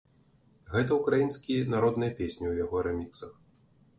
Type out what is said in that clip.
Гэта ўкраінскія народныя песні ў яго рэміксах.